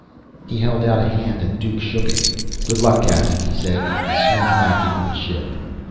He held out a hand, and Duke shook it. "Good luck, captain," he said, and swung back into the ship.